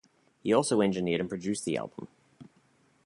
He also engineered and produced the album.